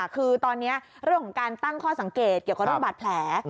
คือตอนนี้เรื่องของการตั้งข้อสังเกตเกี่ยวกับเรื่องบาดแผล